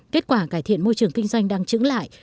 kết quả cải thiện môi trường kinh doanh đang trứng lại